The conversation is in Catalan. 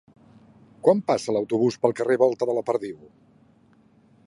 Quan passa l'autobús pel carrer Volta de la Perdiu?